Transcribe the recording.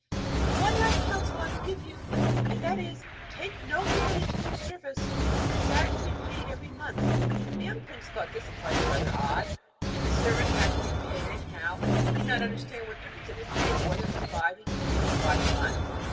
'But one last counsel will I give you, and that is, take no man into your service who desires to be paid every month.' The young prince thought this advice rather odd. If the servant had to be paid anyhow, he did not understand what difference it could make whether it was by the year or by the month.